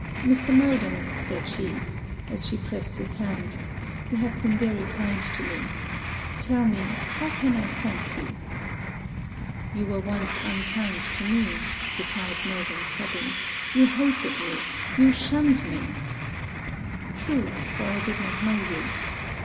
'Mr. Murden,' said she, as she pressed his hand, 'you have been very kind to me tell me how I can thank you?' 'You were once unkind to me,' replied Murden, sobbing, 'you hated me! you shunned me!' 'True, for I did not know you.